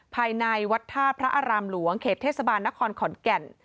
ภายในวัดธาตุพระอารามหลวงเขตเทศบาลนครขอนแก่น